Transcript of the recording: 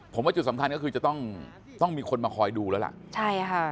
ผมว่าจุดสำคัญก็คือจะต้องต้องมีคนมาคอยดูแล้วล่ะใช่ค่ะ